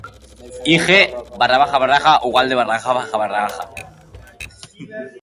Beste lau urte korapilatsu datoz.